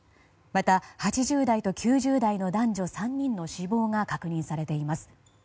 また、８０代と９０代の男女３人の死亡が確認されています。